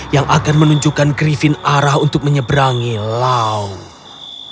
yang akan menunjukkan grifin arah untuk menyeberangi laut